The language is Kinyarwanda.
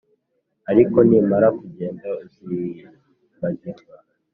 ariko nimara kugenda uzibagirwa,